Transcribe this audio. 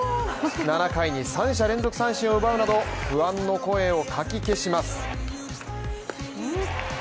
７回に３者連続三振を奪うなど、不安の声をかき消します。